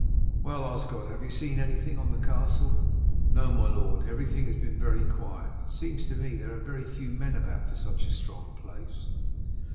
"Well, Osgod, have you seen anything going on in the castle?" "No, my lord, everything has been very quiet It seems to me that there are very few men about for such a strong place."